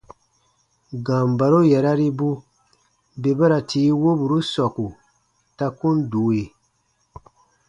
Gambaro yararibu bè ba ra tii woburu sɔku ta kun due.